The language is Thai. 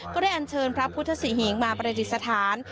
ก็ได้อันเชิญพระพุทธศิหิงมาประติศฐาน